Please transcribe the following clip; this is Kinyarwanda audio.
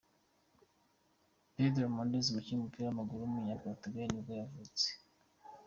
Pedro Mendes, umukinnyi w’umupira w’amaguru w’umunyaportugal nibwo yavutse.